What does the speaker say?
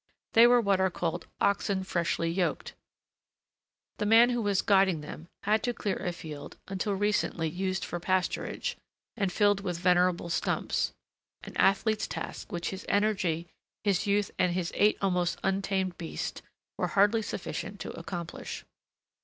They were what are called oxen freshly yoked. The man who was guiding them had to clear a field until recently used for pasturage, and filled with venerable stumps an athlete's task which his energy, his youth, and his eight almost untamed beasts were hardly sufficient to accomplish.